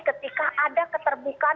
ketika ada keterbukaan